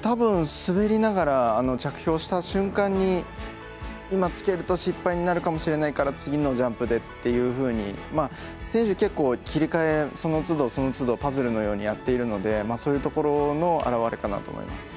たぶん、滑りながら着氷した瞬間に今、つけると失敗になるかもしれないから次のジャンプでっていうふうに選手、結構、切り替えその都度、その都度パズルのようにやっているのでそういうところの表れかなと思います。